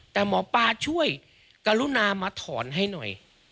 แต่หมอปลาช่วยกรุณามาถอนให้หน่อย